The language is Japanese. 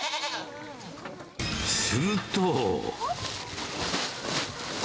すると！